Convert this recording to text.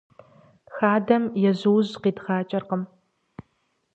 Хадэм ежьужь къидгъакӀэркъым.